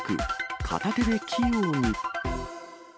片手で器用に。